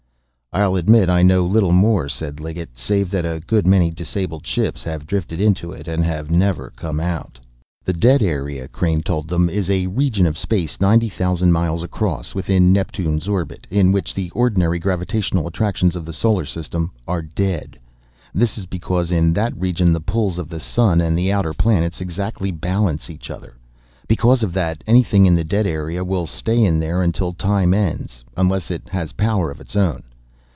"I'll admit I know little more," said Liggett, "save that a good many disabled ships have drifted into it and have never come out." "The dead area," Crain told them, "is a region of space ninety thousand miles across within Neptune's orbit, in which the ordinary gravitational attractions of the solar system are dead. This is because in that region the pulls of the sun and the outer planets exactly balance each other. Because of that, anything in the dead area, will stay in there until time ends, unless it has power of its own.